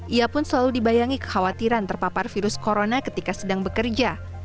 ia pun selalu dibayangi kekhawatiran terpapar virus corona ketika sedang bekerja